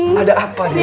nggak ada masalah